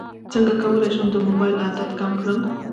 څنګه کولی شم د موبایل عادت کم کړم